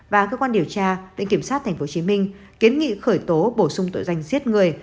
và cơ quan điều tra viện kiểm sát tp hcm kiến nghị khởi tố bổ sung tội danh giết người